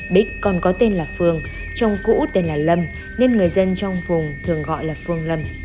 bích còn có tên là phương chồng cũ tên là lâm nên người dân trong vùng thường gọi là phương lâm